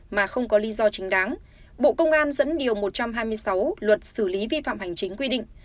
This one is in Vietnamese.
mà không có lý do chính đáng bộ công an dẫn điều một trăm hai mươi sáu luật xử lý vi phạm hành chính quy định